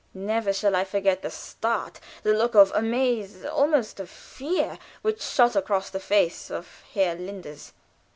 Never shall I forget the start the look of amaze, almost of fear, which shot across the face of Herr Linders.